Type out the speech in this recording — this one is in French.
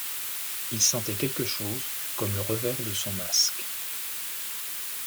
Il sentait quelque chose comme le revers de son masque.